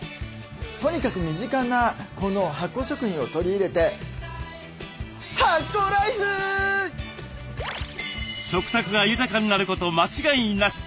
とにかく身近なこの発酵食品を取り入れて食卓が豊かになること間違いなし。